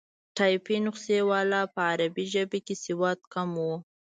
ټایپي نسخې والا په عربي ژبه کې سواد کم وو.